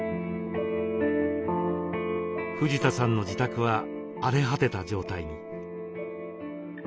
藤田さんの自宅は荒れ果てた状態に。